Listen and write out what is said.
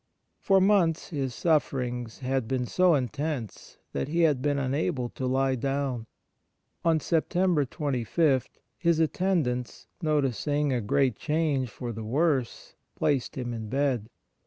For months his sufferings had been so intense that he had been unable to lie down. On September 25 his atten dants, noticing a great change for the worse, placed him in bed.